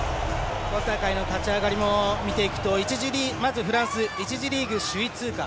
今大会の勝ち上がりも見ていくとまずフランスは１次リーグ首位通過。